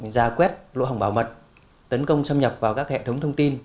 gia quét lộ hỏng bảo mật tấn công xâm nhập vào các hệ thống thông tin